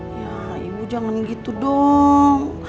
ya ibu jangan gitu dong